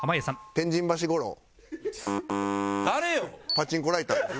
パチンコライターです。